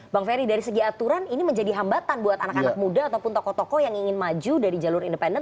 bang ferry dari segi aturan ini menjadi hambatan buat anak anak muda ataupun tokoh tokoh yang ingin maju dari jalur independen